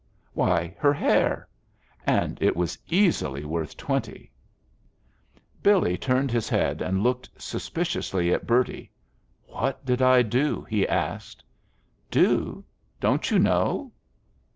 "Why, her hair. And it was easily worth twenty." Billy turned his head and looked suspiciously at Bertie. "What did I do?" he asked. "Do! Don't you know?"